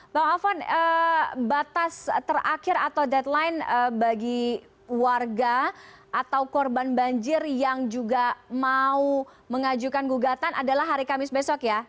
bang alfon batas terakhir atau deadline bagi warga atau korban banjir yang juga mau mengajukan gugatan adalah hari kamis besok ya